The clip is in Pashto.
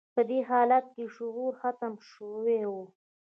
په دې حالت کې شعور ختم شوی و